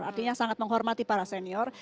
artinya sangat menghormati para senior